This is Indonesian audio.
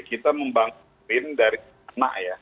kita membangun brin dari anak ya